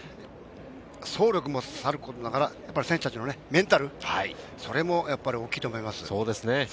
走力もさることながら、選手たちのメンタル、それも大きいと思います。